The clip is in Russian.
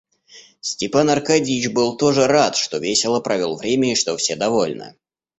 Степан Аркадьич был тоже рад, что весело провел время и что все довольны.